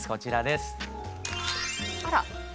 あら。